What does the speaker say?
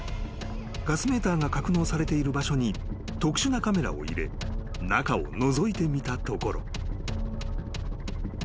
ガスメーターが格納されている場所に特殊なカメラを入れ中をのぞいてみたところ］